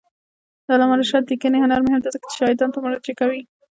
د علامه رشاد لیکنی هنر مهم دی ځکه چې شاهدانو ته مراجعه کوي.